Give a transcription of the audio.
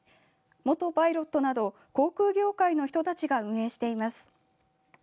元パイロットなど、航空業界の人たちが運営しています。